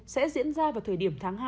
sẽ diễn ra vào thời điểm tháng hai